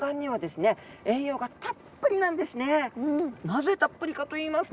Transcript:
このなぜたっぷりかと言いますと。